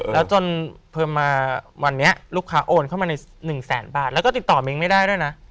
แล้วจนเพิ่มมาวันนี้ลูกค้าโอนเข้ามาใน๑แสนบาทแล้วก็ติดต่อเม้งไม่ได้ด้วยนะ